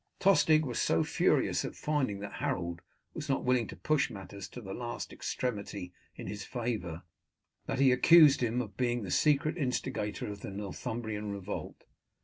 Tostig was so furious at finding that Harold was not willing to push matters to the last extremity in his favour, that he accused him of being the secret instigator of the Northumbrian revolt.